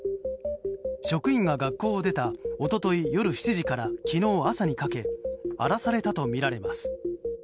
職員が学校を出た一昨日夜７時から昨日朝にかけ荒らされたとみられます。